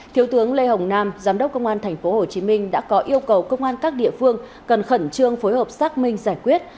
thiếu tướng lê hồng nam giám đốc công an tp hcm đã có yêu cầu công an các địa phương cần khẩn trương phối hợp xác minh giải quyết